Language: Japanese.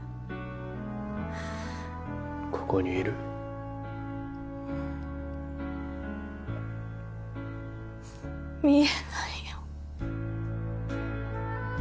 ここにいる見えないよ